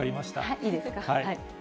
いいですか。